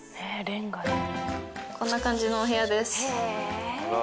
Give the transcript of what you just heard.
こんな感じのお部屋です。